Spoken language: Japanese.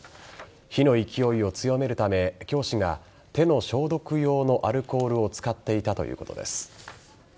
火の勢いを強めるため、教師が手の消毒用のアルコールを使っていたということです。